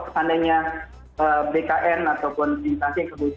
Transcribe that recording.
seandainya bkn ataupun instansi eksekutif